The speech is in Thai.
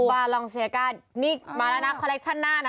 ปาลองเซกานี่มาแล้วนะคอลเลคชั่นหน้านะ